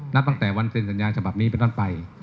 นับตั้งแต่วันเซ็นสัญญาฉบับนี้เป็นต้นไป